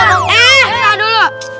eh nah dulu